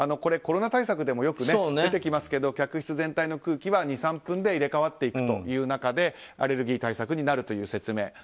コロナ対策でもよく出てきますけど客室全体の空気は２３分で入れ替わっていく中でアレルギー対策になるという説明。